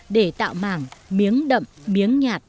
để tạo mảng miếng đậm miếng nhạt